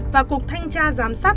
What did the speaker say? và cuộc thanh tra giám sát